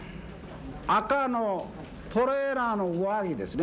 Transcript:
赤のトレーナーの上着ですね。